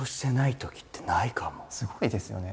すごいですよね。